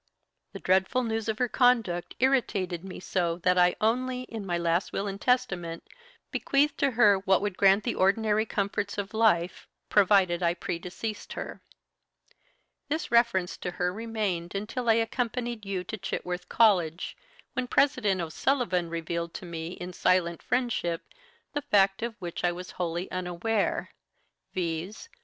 "The dreadful news of her conduct irritated me so that I only, in my last will and testament, bequeathed to her what would grant the ordinary comforts of life, provided I predeceased her. This reference to her remained until I accompanied you to Chitworth College, when President O'Sullivan revealed to me in silent friendship the fact of which I was wholly unaware, viz.